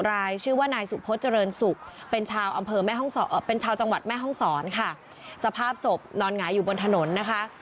รายชื่อว่านายสุพศเจริญศุกร์เป็นชาวอำเภอแม่ห้องศรเป็นชาวจังหวัดแม่ห้องศรค่ะสภาพศพนอนหงายอยู่บนถนนนะคะ